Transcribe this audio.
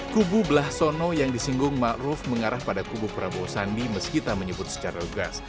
kubu belah sono yang disinggung ma'ruf mengarah pada kubu prabowo sandi meskita menyebut secara lugas